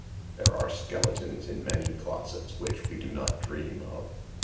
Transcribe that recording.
There are skeletons in many closets which we do not dream of.